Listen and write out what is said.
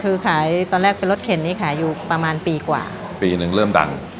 คือขายตอนแรกเป็นรถเข็นนี้ขายอยู่ประมาณปีกว่าปีหนึ่งเริ่มดัง